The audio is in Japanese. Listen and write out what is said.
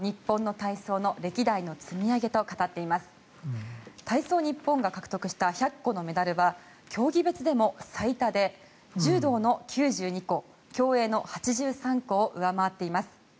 体操日本が獲得した１００個のメダルは競技別でも最多で柔道の９２個競泳の８３個を上回っています。